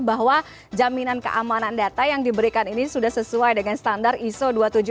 bahwa jaminan keamanan data yang diberikan ini sudah sesuai dengan standar iso dua ratus tujuh puluh